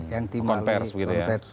yang di mali